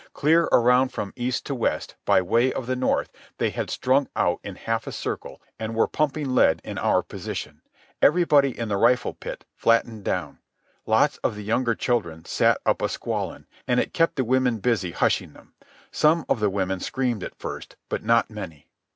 Clear around from east to west, by way of the north, they had strung out in half a circle and were pumping lead in our position. Everybody in the rifle pit flattened down. Lots of the younger children set up a squalling, and it kept the women busy hushing them. Some of the women screamed at first, but not many.